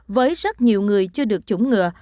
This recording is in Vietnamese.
với rất nhiều người chưa được chủng ngừa